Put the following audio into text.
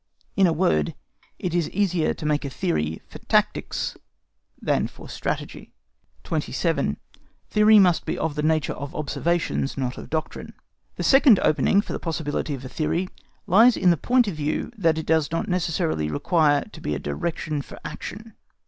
In a word, it is easier to make a theory for tactics than for strategy. 27. THEORY MUST BE OF THE NATURE OF OBSERVATIONS NOT OF DOCTRINE. The second opening for the possibility of a theory lies in the point of view that it does not necessarily require to be a direction for action.